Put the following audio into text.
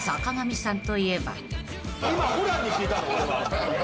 「今ホランに聞いたの俺は」